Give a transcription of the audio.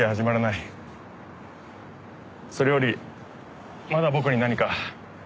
それよりまだ僕に何か？